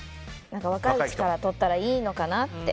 若いうちからとったらいいのかなって。